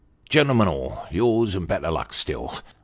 Gentlemen all yours, and better luck still.